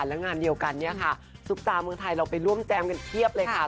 แล้วงานเดียวกันเนี่ยค่ะซุปตาเมืองไทยเราไปร่วมแจมกันเพียบเลยค่ะ